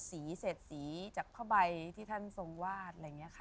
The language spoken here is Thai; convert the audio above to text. กับเสดสีจากของพระบายที่ท่านทรงวาด